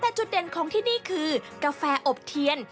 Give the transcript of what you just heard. แต่จุดเด่นของที่นี่คือกาแฟอบเทียน